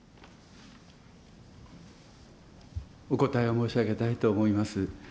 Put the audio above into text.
お答えを申し上げたいと思います。